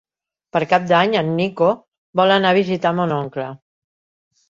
Per Cap d'Any en Nico vol anar a visitar mon oncle.